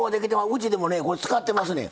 うちでも使ってますねん。